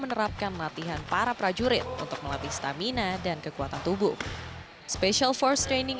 menerapkan latihan para prajurit untuk melatih stamina dan kekuatan tubuh special first training